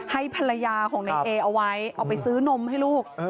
ให้ภรรยาของในเอเอาไว้เอาไปซื้อนมให้ลูก